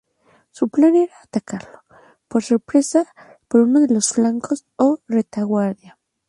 Su plan era atacarlo por sorpresa por uno de los flancos o la retaguardia.